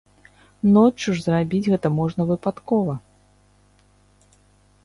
Ноччу ж зрабіць гэта можна выпадкова.